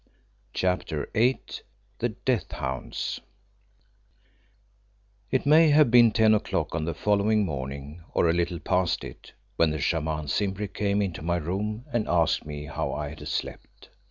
CHAPTER VIII THE DEATH HOUNDS It may have been ten o'clock on the following morning, or a little past it, when the Shaman Simbri came into my room and asked me how I had slept.